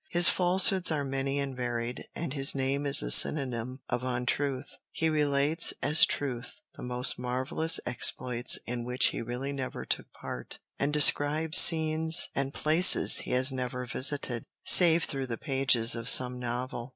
His falsehoods are many and varied, and his name is a synonym of untruth. He relates, as truth, the most marvellous exploits in which he really never took part, and describes scenes and places he has never visited, save through the pages of some novel.